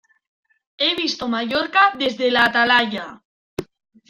¡He visto Mallorca desde la Atalaya!